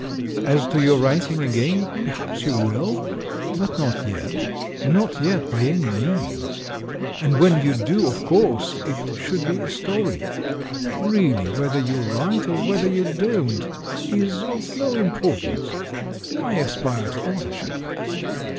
As to your writing again, perhaps you will. But not yet. Not yet, by any means! And when you do, of course it should be a story. Really whether you wi'ite, or whether you don't, is of no importance — why aspire to authorship?"